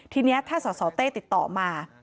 ทีนี้ถ้าสสเต้ติดต่อมา